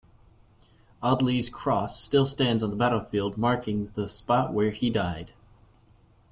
Audley's Cross still stands on the battlefield marking the spot where he died.